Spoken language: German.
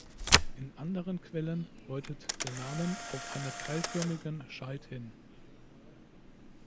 In anderen Quellen deutet der Namen auf eine keilförmigen Scheid hin.